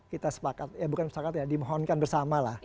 kita dimohonkan bersama lah